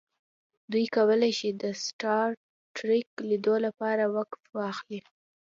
دوی کولی شي د سټار ټریک لیدلو لپاره وقفه واخلي